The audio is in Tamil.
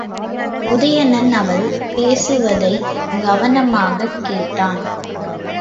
உதயணன் அவள் பேசுவதைக் கவனமாகக் கேட்டான்.